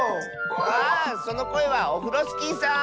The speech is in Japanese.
あそのこえはオフロスキーさん。